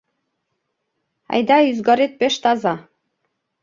— Айда ӱзгарет пеш таза...